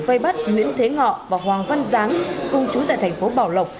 vây bắt nguyễn thế ngọ và hoàng văn giáng cùng chú tại thành phố bảo lộc